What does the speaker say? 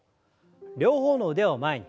両方の腕を前に。